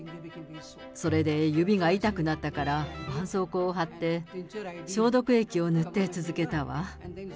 それで指が痛くなったからばんそうこうを貼って、消毒液を塗って続けたわ。